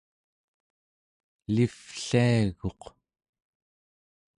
elivvliaguq